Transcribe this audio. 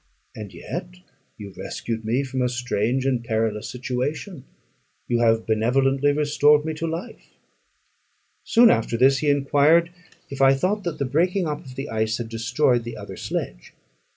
"And yet you rescued me from a strange and perilous situation; you have benevolently restored me to life." Soon after this he enquired if I thought that the breaking up of the ice had destroyed the other sledge?